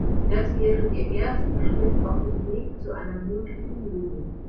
Das wäre der erste Schritt auf dem Weg zu einer möglichen Lösung.